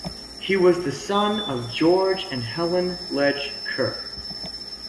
He was the son of George and Helen Legge Kerr.